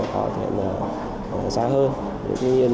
có thể là một truyền động